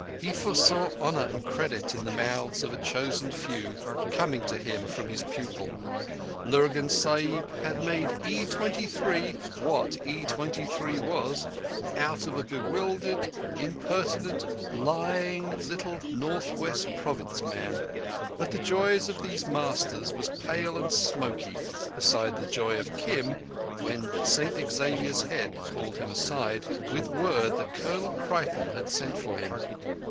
He foresaw honour and credit in the mouths of a chosen few, coming to him from his pupil. Lurgan Sahib had made E.23 what E.23 was, out of a bewildered, impertinent, lying, little North West Province man. But the joy of these masters was pale and smoky beside the joy of Kim when St Xavier's Head called him aside, with word that Colonel Creighton had sent for him.